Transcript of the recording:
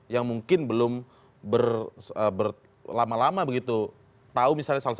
yang mungkin belum lama lama begitu tahu misalnya selebritis